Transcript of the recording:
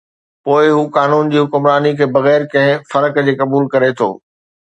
پوءِ هو قانون جي حڪمراني کي بغير ڪنهن فرق جي قبول ڪري ٿو.